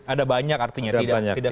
ada banyak artinya tidak